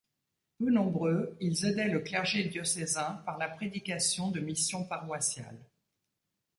Peu nombreux, ils aidaient le clergé diocésain par la prédication de missions paroissiales.